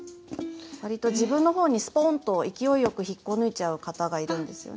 割と自分のほうにスポーンと勢いよく引っこ抜いちゃう方がいるんですよね。